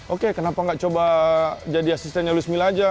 oke kenapa tidak coba jadi asistennya louis mia saja